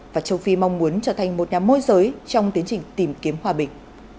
và châu phi mong muốn trở thành một nhà môi giới trong tiến trình tìm kiếm hòa bình